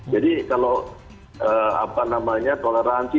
jadi kalau toleransi